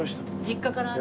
実家から？